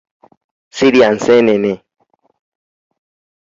Sirya nseenene.